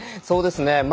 そうですね。